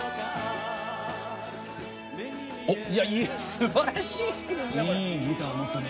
いやすばらしい服ですね。